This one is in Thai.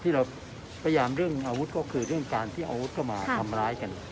ที่เราพยายามเรื่องอาวุธก็คือเรื่องการที่อาวุธเข้ามาทำร้ายกัน